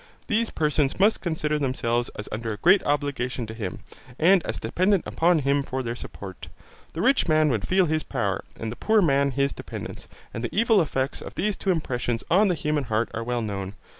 These persons must consider themselves as under a great obligation to him and as dependent upon him for their support. The rich man would feel his power and the poor man his dependence, and the evil effects of these two impressions on the human heart are well known.